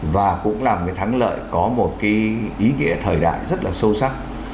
và cũng là một cái thắng lợi có một cái ý nghĩa thời đại rất là sâu sắc